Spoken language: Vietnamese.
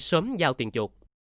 sớm giao tiền chuột